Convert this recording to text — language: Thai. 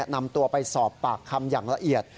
นำตัวไปสอบปากคำอย่างละเอียด